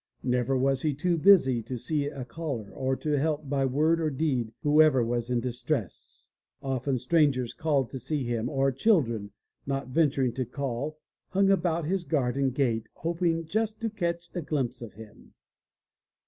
Never was he too busy to see a caller, or to help by word or deed whoever was in distress. Often strangers called to see him, or children, not venturing to call, hung about his garden gate, hoping just to catch a glimpse of him.